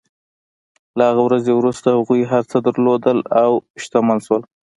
له هغې ورځې وروسته هغوی هر څه درلودل او شتمن شول.